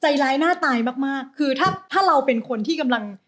ใจร้ายหน้าตายมากมากคือถ้าถ้าเราเป็นคนที่กำลัง